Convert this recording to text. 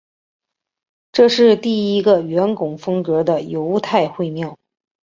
这是第一个圆拱风格的犹太会堂。